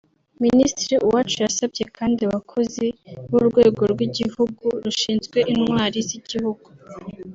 Minisitiri Uwacu yasabye kandi abakozi b’urwego rw’igihugu rushinzwe intwari z’igihugu